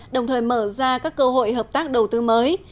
đồng thời mở ra các cơ hội hợp tác đầu tư mới